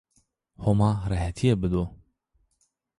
Homa rehetîye bido